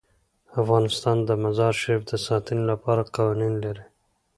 افغانستان د مزارشریف د ساتنې لپاره قوانین لري.